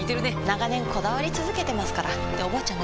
長年こだわり続けてますからっておばあちゃん